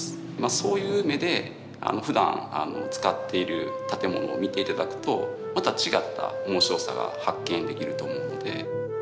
そういう目でふだん使っている建物を見ていただくとまた違った面白さが発見できると思うので。